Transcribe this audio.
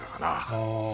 ああ。